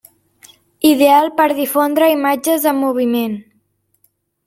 Ideal per difondre imatges en moviment.